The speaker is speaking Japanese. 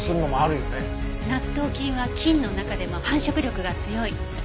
納豆菌は菌の中でも繁殖力が強い。